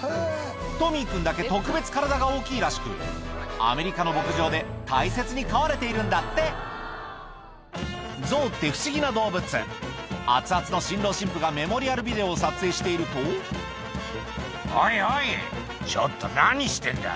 トミー君だけ特別体が大きいらしくアメリカの牧場で大切に飼われているんだって象って不思議な動物アツアツの新郎新婦がメモリアルビデオを撮影していると「おいおいちょっと何してんだ」